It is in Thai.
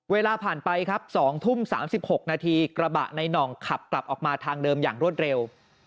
เวลาผ่านไปครับ๒ทุ่ม๓๖นาทีกระบะในหน่องขับกลับออกมาทางเดิมอย่างรวดเร็ว